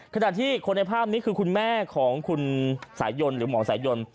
ขนาดที่ในภาพนี้คือคุณแม่ของหมอสายยนต์